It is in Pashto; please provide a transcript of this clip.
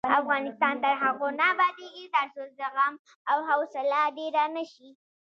افغانستان تر هغو نه ابادیږي، ترڅو زغم او حوصله ډیره نشي.